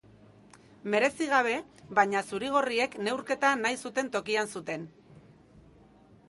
Merezi gabe, baina zuri-gorriek neurketa nahi zuten tokian zuten.